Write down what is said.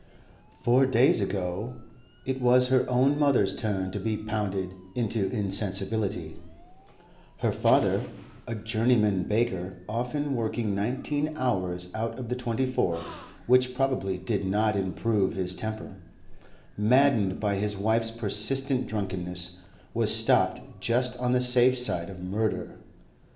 Four days ago it was her own mother's turn to be pounded into insensibility; her father (a journeyman baker, often working nineteen hours out of the twenty four, which probably did not improve his temper), maddened by his wife's persistent drunkenness, was stopped just on the safe side of murder.